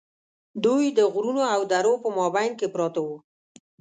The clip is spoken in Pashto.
دوی د غرونو او درو په مابین کې پراته وو.